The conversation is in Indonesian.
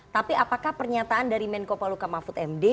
tapi apakah pernyataan dari menko paluka mahfud md